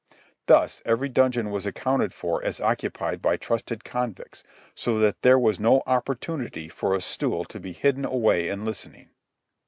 Thus, every dungeon was accounted for as occupied by trusted convicts, so that there was no opportunity for a stool to be hidden away and listening.